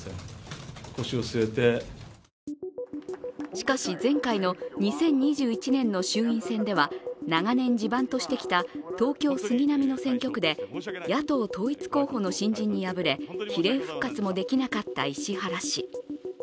しかし、前回の２０２１年の衆院選では長年、地盤としてきた東京・杉並の選挙区で、野党統一候補の新人に敗れ比例復活もできなかった石原氏。